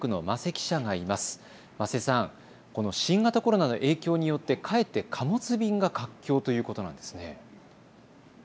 間瀬さん、この新型コロナの影響によってかえって貨物便が活況ということなんですね。